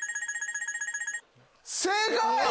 正解！